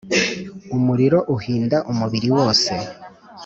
Umuriro uhinda umubiri wose.